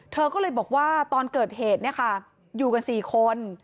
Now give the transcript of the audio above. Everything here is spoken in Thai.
เธอก็เลยบอกว่าตอนเกิดเหตุอยู่กันสี่คน